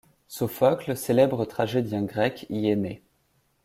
Sophocle, célèbre tragédien grec, y est né.